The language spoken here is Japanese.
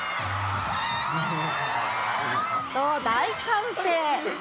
と、大歓声。